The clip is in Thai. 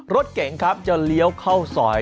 รถเก๋งครับจะเลี้ยวเข้าซอย